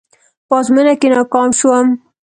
په ازموينه کې ناکام شوم.